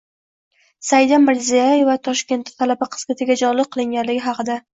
Saida Mirziyoyeva Toshkentda talaba qizga tegajog‘lik qilingani haqida